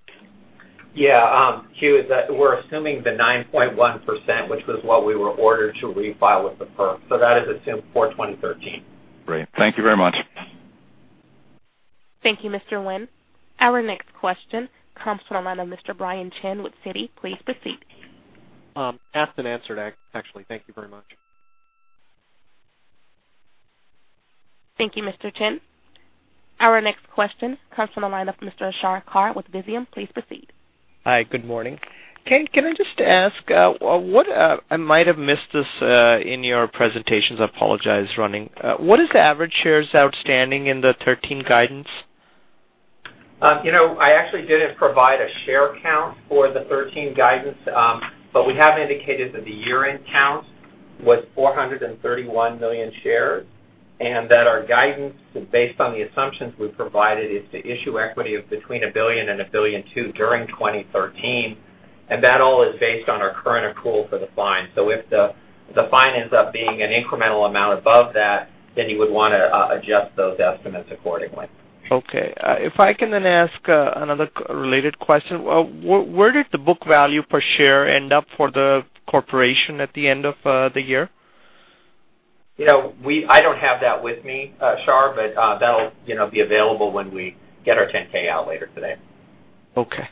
Yeah. Hugh, we're assuming the 9.1%, which was what we were ordered to refile with the FERC. That is assumed for 2013. Great. Thank you very much. Thank you, Mr. Wynne. Our next question comes from the line of Mr. Brian Chin with Citi. Please proceed. Asked and answered, actually. Thank you very much. Thank you, Mr. Chin. Our next question comes from the line of Mr. Ashar Khan with Visium. Please proceed. Hi, good morning. Kent, can I just ask, I might have missed this in your presentations, I apologize running. What is the average shares outstanding in the 2013 guidance? I actually didn't provide a share count for the 2013 guidance. We have indicated that the year-end count was 431 million shares, and that our guidance, based on the assumptions we've provided, is to issue equity of between $1 billion and $1.2 billion during 2013. That all is based on our current accrual for the fine. If the fine ends up being an incremental amount above that, then you would want to adjust those estimates accordingly. Okay. If I can then ask another related question, where did the book value per share end up for the corporation at the end of the year? I don't have that with me, Ashar, that'll be available when we get our 10-K out later today. Okay.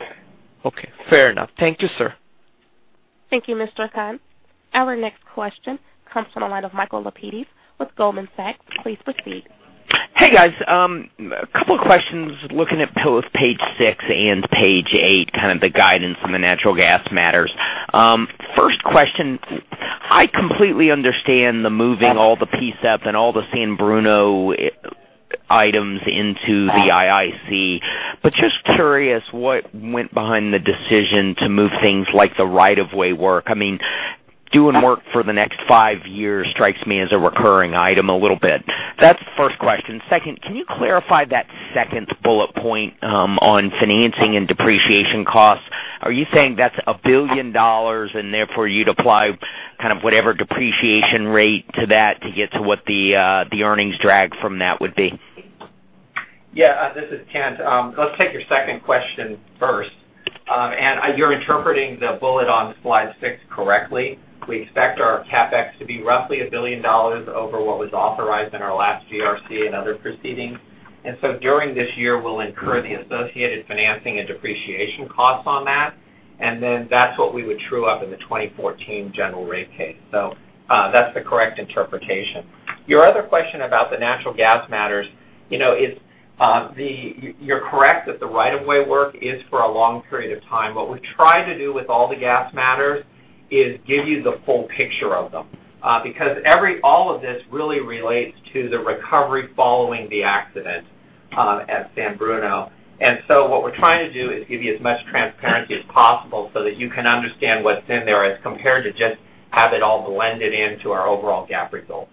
Fair enough. Thank you, sir. Thank you, Mr. Ashar. Our next question comes from the line of Michael Lapides with Goldman Sachs. Please proceed. Hey, guys. Couple questions, looking at both page six and page eight, kind of the guidance on the natural gas matters. First question, I completely understand the moving all the PSEP and all the San Bruno items into the IIC. Just curious, what went behind the decision to move things like the right-of-way work? Doing work for the next five years strikes me as a recurring item a little bit. That's the first question. Second, can you clarify that second bullet point on financing and depreciation costs? Are you saying that's $1 billion, and therefore you'd apply kind of whatever depreciation rate to that to get to what the earnings drag from that would be? Yeah, this is Kent. Let's take your second question first. You're interpreting the bullet on slide six correctly. We expect our CapEx to be roughly $1 billion over what was authorized in our last GRC and other proceedings. During this year, we'll incur the associated financing and depreciation costs on that, and then that's what we would true up in the 2014 general rate case. That's the correct interpretation. Your other question about the natural gas matters. You're correct that the right-of-way work is for a long period of time. What we've tried to do with all the gas matters is give you the full picture of them because all of this really relates to the recovery following the accident at San Bruno. What we're trying to do is give you as much transparency as possible so that you can understand what's in there as compared to just have it all blended into our overall GAAP results.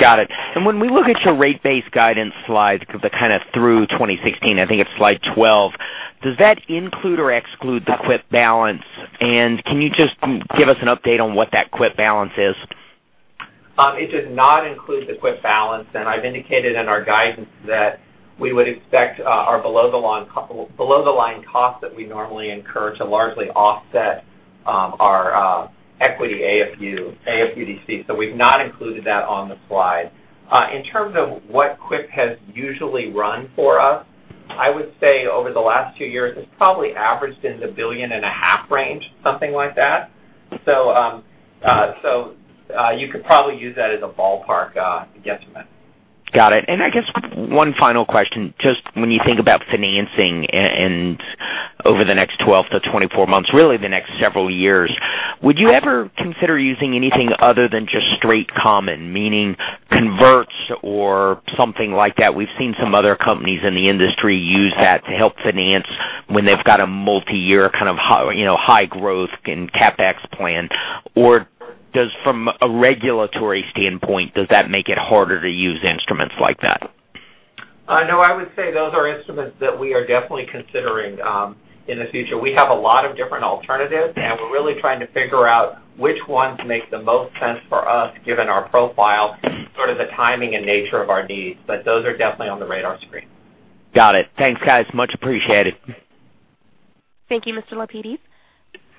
Got it. When we look at your rate base guidance slides, the kind of through 2016, I think it's slide 12, does that include or exclude the CWIP balance? Can you just give us an update on what that CWIP balance is? It does not include the CWIP balance. I've indicated in our guidance that we would expect our below-the-line cost that we normally incur to largely offset our equity AFUDC. We've not included that on the slide. In terms of what CWIP has usually run for us, I would say over the last two years, it's probably averaged in the billion and a half range, something like that. You could probably use that as a ballpark guesstimate. Got it. I guess one final question, just when you think about financing and over the next 12 to 24 months, really the next several years, would you ever consider using anything other than just straight common, meaning converts or something like that? We've seen some other companies in the industry use that to help finance when they've got a multi-year kind of high growth in CapEx plan. From a regulatory standpoint, does that make it harder to use instruments like that? No, I would say those are instruments that we are definitely considering in the future. We have a lot of different alternatives, we're really trying to figure out which ones make the most sense for us, given our profile, sort of the timing and nature of our needs. Those are definitely on the radar screen. Got it. Thanks, guys. Much appreciated. Thank you, Mr. Lapides.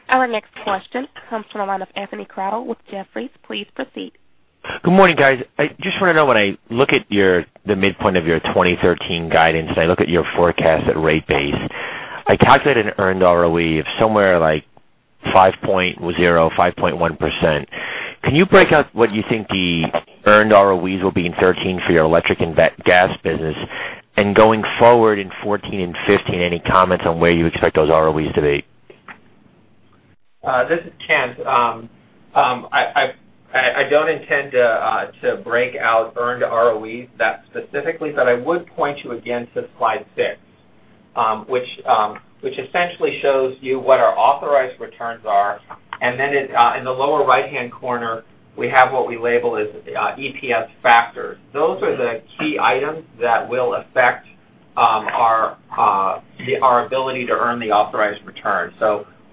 Our next question comes from the line of Anthony Crowdell with Jefferies. Please proceed. Good morning, guys. I just want to know when I look at the midpoint of your 2013 guidance, I look at your forecast at rate base. I calculate an earned ROE of somewhere like 5.0%, 5.1%. Can you break out what you think the earned ROEs will be in 2013 for your electric and gas business? Going forward in 2014 and 2015, any comments on where you expect those ROEs to be? This is Kent. I don't intend to break out earned ROEs that specifically, but I would point you again to slide six, which essentially shows you what our authorized returns are. In the lower right-hand corner, we have what we label as EPS factors. Those are the key items that will affect our ability to earn the authorized return.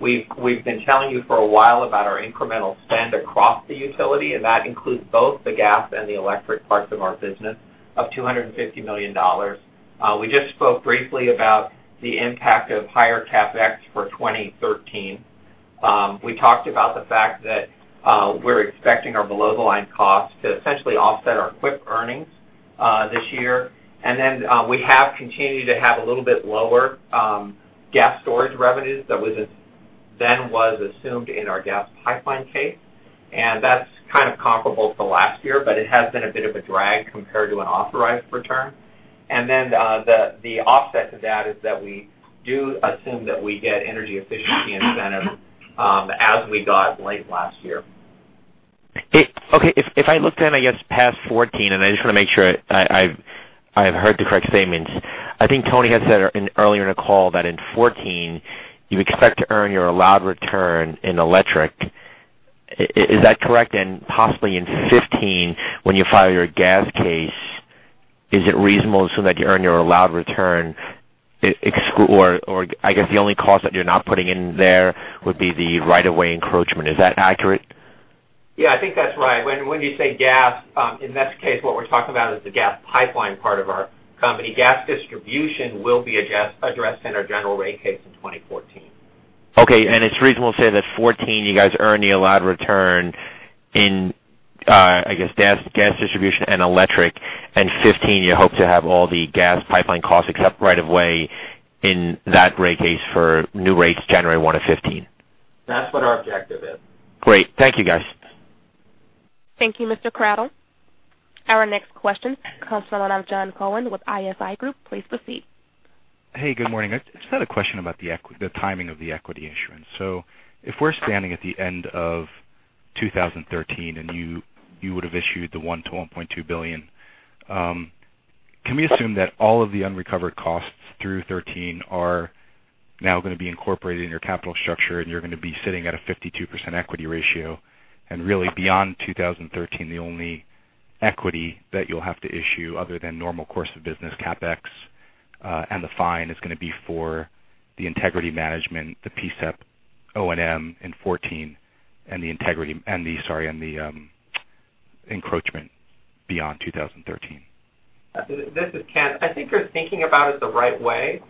We've been telling you for a while about our incremental spend across the utility, and that includes both the gas and the electric parts of our business of $250 million. We just spoke briefly about the impact of higher CapEx for 2013. We talked about the fact that we're expecting our below-the-line cost to essentially offset our CWIP earnings this year. We have continued to have a little bit lower gas storage revenues than was assumed in our gas pipeline case, and that is kind of comparable to last year, but it has been a bit of a drag compared to an authorized return. The offset to that is that we do assume that we get energy efficiency incentive as we got late last year. Okay. If I looked in, I guess, past 2014, I just want to make sure I have heard the correct statements. I think Tony had said earlier in the call that in 2014, you expect to earn your allowed return in electric. Is that correct? Possibly in 2015 when you file your gas case, is it reasonable to assume that you earn your allowed return, or I guess the only cost that you are not putting in there would be the right of way encroachment. Is that accurate? Yeah, I think that is right. When you say gas, in this case, what we are talking about is the gas pipeline part of our company. Gas distribution will be addressed in our general rate case in 2014. Okay, it is reasonable to say that 2014, you guys earn the allowed return in, I guess, gas distribution and electric, and 2015, you hope to have all the gas pipeline costs except right of way in that rate case for new rates January 1 of 2015. That's what our objective is. Great. Thank you, guys. Thank you, Mr. Crowdell. Our next question comes from the line of John Cohen with ISI Group. Please proceed. If we're standing at the end of 2013 and you would have issued the $1 billion-$1.2 billion, can we assume that all of the unrecovered costs through 2013 are now going to be incorporated in your capital structure and you're going to be sitting at a 52% equity ratio, and really beyond 2013, the only equity that you'll have to issue other than normal course of business CapEx and the fine is going to be for the integrity management, the PSEP, O&M in 2014, and the integrity, sorry, and the encroachment beyond 2013? This is Kent. I think you're thinking about it the right way.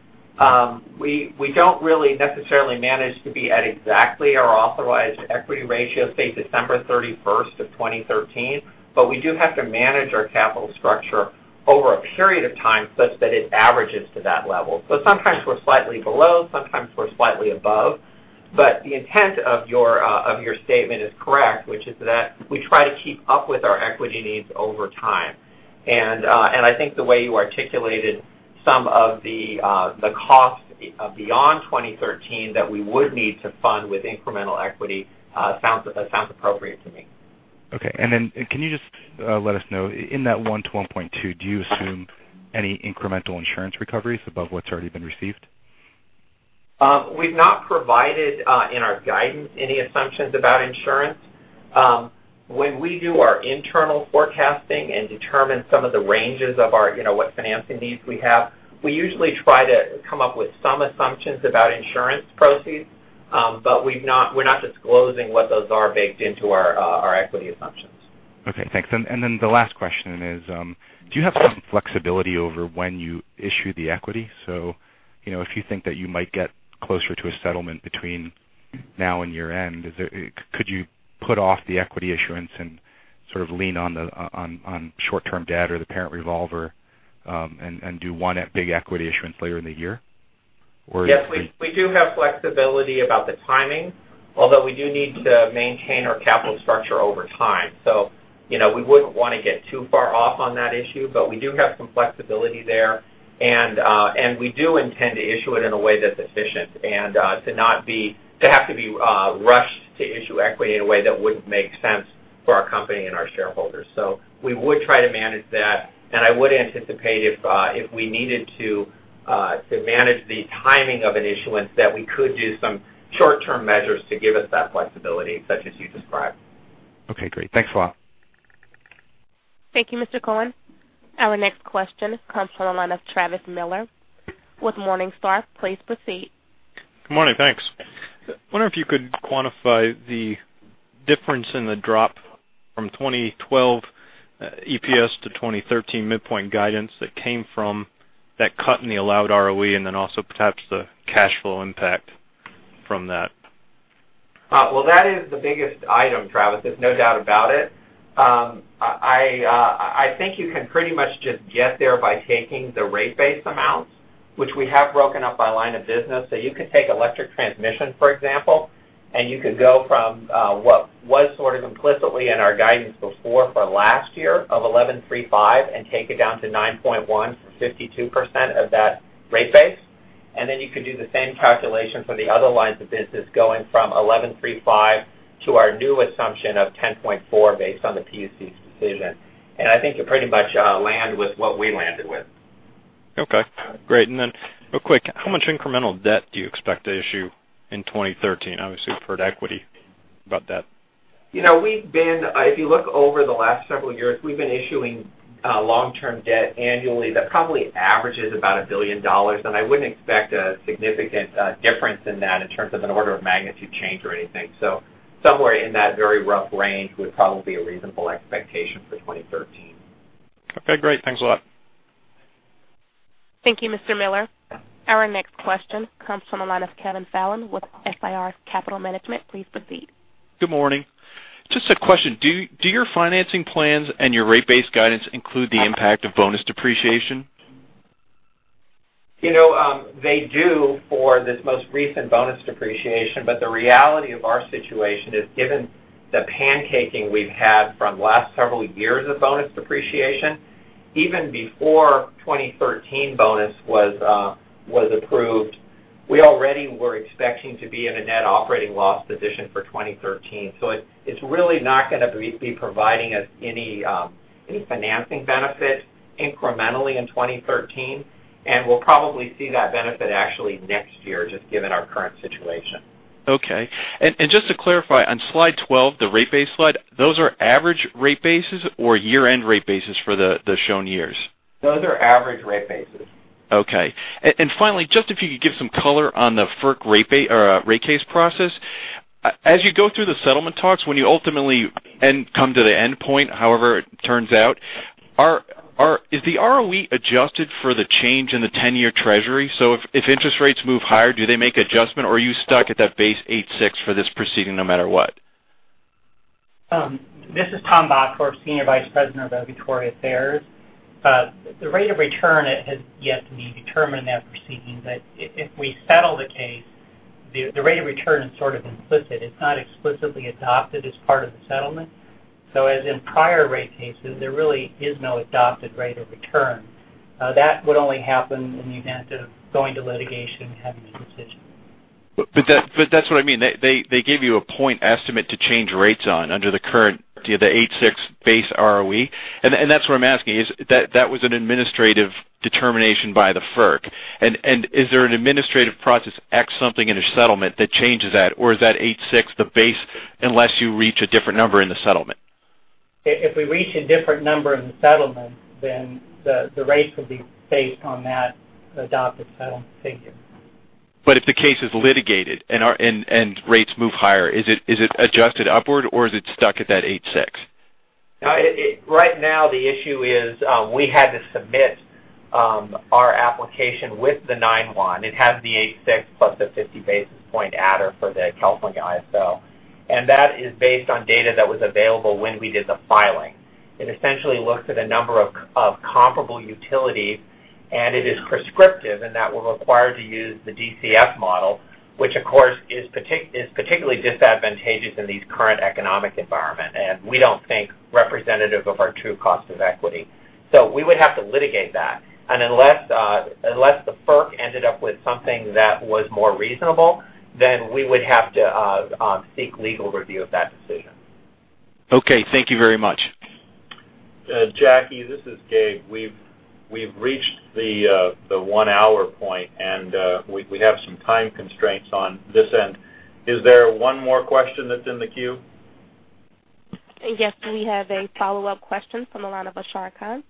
We don't really necessarily manage to be at exactly our authorized equity ratio, say December 31st of 2013. We do have to manage our capital structure over a period of time such that it averages to that level. Sometimes we're slightly below, sometimes we're slightly above. The intent of your statement is correct, which is that we try to keep up with our equity needs over time. I think the way you articulated some of the cost beyond 2013 that we would need to fund with incremental equity sounds appropriate to me. Okay. Can you just let us know, in that 1-1.2, do you assume any incremental insurance recoveries above what's already been received? We've not provided in our guidance any assumptions about insurance. When we do our internal forecasting and determine some of the ranges of what financing needs we have, we usually try to come up with some assumptions about insurance proceeds. We're not disclosing what those are baked into our equity assumptions. Okay, thanks. The last question is, do you have some flexibility over when you issue the equity? If you think that you might get closer to a settlement between now and year-end, could you put off the equity issuance and sort of lean on short-term debt or the parent revolver, and do one big equity issuance later in the year? Yes, we do have flexibility about the timing, although we do need to maintain our capital structure over time. We wouldn't want to get too far off on that issue, but we do have some flexibility there, and we do intend to issue it in a way that's efficient and to not have to be rushed to issue equity in a way that wouldn't make sense for our company and our shareholders. We would try to manage that, and I would anticipate if we needed to manage the timing of an issuance, that we could do some short-term measures to give us that flexibility, such as you described. Okay, great. Thanks a lot. Thank you, Mr. Cohen. Our next question comes from the line of Travis Miller with Morningstar. Please proceed. Good morning. Thanks. Wonder if you could quantify the difference in the drop from 2012 EPS to 2013 midpoint guidance that came from that cut in the allowed ROE, and then also perhaps the cash flow impact from that. Well, that is the biggest item, Travis. There's no doubt about it. I think you can pretty much just get there by taking the rate base amounts, which we have broken up by line of business. You could take electric transmission, for example, and you could go from what was sort of implicitly in our guidance before for last year of 1,135 and take it down to 9.1% for 52% of that rate base. Then you could do the same calculation for the other lines of business going from 1,135 to our new assumption of 10.4% based on the PUC's decision. I think you'll pretty much land with what we landed with. Okay, great. Then real quick, how much incremental debt do you expect to issue in 2013? Obviously, you've heard equity, but debt. If you look over the last several years, we've been issuing long-term debt annually that probably averages about $1 billion, and I wouldn't expect a significant difference in that in terms of an order of magnitude change or anything. Somewhere in that very rough range would probably be a reasonable expectation for 2013. Okay, great. Thanks a lot. Thank you, Mr. Miller. Our next question comes from the line of Kevin Fallon with SIR Capital Management. Please proceed. Good morning. Just a question. Do your financing plans and your rate base guidance include the impact of bonus depreciation? They do for this most recent bonus depreciation, but the reality of our situation is, given the pancaking we've had from the last several years of bonus depreciation, even before 2013 bonus was approved, we already were expecting to be in a net operating loss position for 2013. It's really not going to be providing us any financing benefit incrementally in 2013, we'll probably see that benefit actually next year, just given our current situation. Okay. Just to clarify, on slide 12, the rate base slide, those are average rate bases or year-end rate bases for the shown years? Those are average rate bases. Finally, just if you could give some color on the FERC rate case process. As you go through the settlement talks, when you ultimately come to the endpoint, however it turns out, is the ROE adjusted for the change in the 10-Year Treasury? If interest rates move higher, do they make adjustment or are you stuck at that base 8.6 for this proceeding no matter what? This is Tom Bottorff, Senior Vice President of Regulatory Affairs. The rate of return has yet to be determined in that proceeding. If we settle the case, the rate of return is sort of implicit. It's not explicitly adopted as part of the settlement. As in prior rate cases, there really is no adopted rate of return. That would only happen in the event of going to litigation and having a decision. That's what I mean. They gave you a point estimate to change rates on under the current, the 8.6 base ROE. That's what I'm asking is, that was an administrative determination by the FERC, is there an administrative process X something in a settlement that changes that, or is that 8.6 the base unless you reach a different number in the settlement? If we reach a different number in the settlement, then the rate will be based on that adopted settlement figure. If the case is litigated and rates move higher, is it adjusted upward, or is it stuck at that eight six? Right now the issue is we had to submit our application with the nine one. It has the eight six plus the 50 basis point adder for the California ISO, and that is based on data that was available when we did the filing. It essentially looks at a number of comparable utilities It is prescriptive in that we're required to use the DCF model, which of course is particularly disadvantageous in this current economic environment, and we don't think representative of our true cost of equity. We would have to litigate that. Unless the FERC ended up with something that was more reasonable, then we would have to seek legal review of that decision. Okay. Thank you very much. Jackie, this is Gabe. We've reached the 1-hour point, and we have some time constraints on this end. Is there one more question that's in the queue? Yes, we have a follow-up question from the line of Ashar Khan.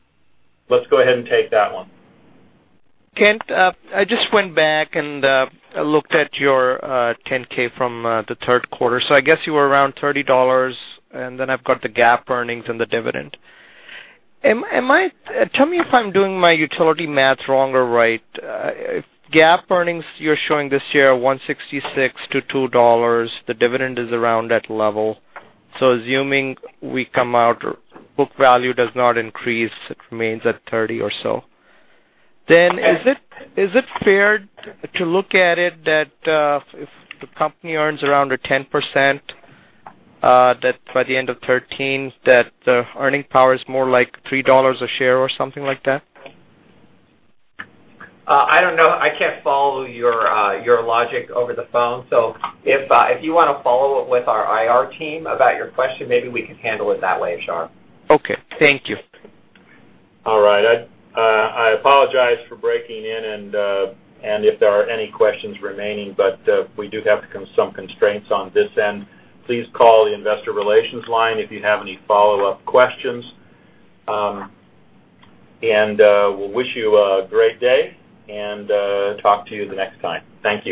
Let's go ahead and take that one. Kent, I just went back and looked at your 10-K from the third quarter. I guess you were around $30, and then I've got the GAAP earnings and the dividend. Tell me if I'm doing my utility math wrong or right. GAAP earnings, you're showing this year $1.66-$2, the dividend is around that level. Assuming we come out, book value does not increase, it remains at 30 or so. Is it fair to look at it that, if the company earns around a 10%, that by the end of 2013, that the earning power is more like $3 a share or something like that? I don't know. I can't follow your logic over the phone. If you want to follow up with our IR team about your question, maybe we can handle it that way, Ashar. Okay. Thank you. All right. I apologize for breaking in and if there are any questions remaining, we do have some constraints on this end. Please call the investor relations line if you have any follow-up questions. We'll wish you a great day, and talk to you the next time. Thank you